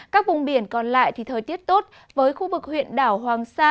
các vùng biển còn lại thì thời tiết tốt với khu vực huyện đảo hoàng sa